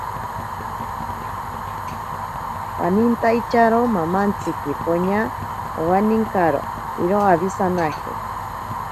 Panintaiyaro mamantsiki poña owaninkaro iroo awisanaje.